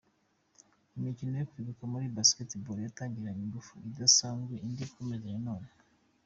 Imikino yo kwibuka muri Basketball yatangiranye ingufu zidasanzwe, indi yakomeje none.